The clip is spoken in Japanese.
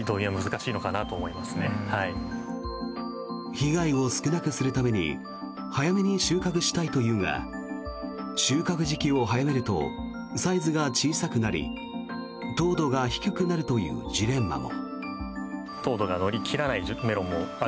被害を少なくするために早めに収穫したいというが収穫時期を早めるとサイズが小さくなり糖度が低くなるというジレンマも。